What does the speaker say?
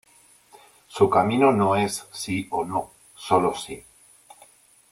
Su camino no es "Sí o No" sólo "SÍ".